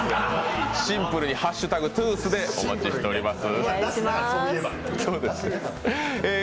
シンプルに＃トゥース！！でお待ちしております。